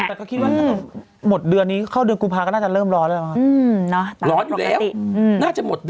แต่ก็คิดว่าหมดเดือนนี้เข้าเดือนกุมภาก็น่าจะเริ่มร้อนแล้วครับ